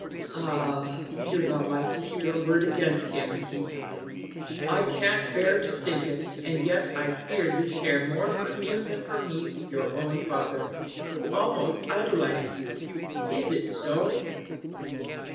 "Ah, you do not like to hear a word against him!" he sighed; "I can't bear to think it, and yet I fear you care more for him than for me, your own father, who almost idolizes you. Is it so?"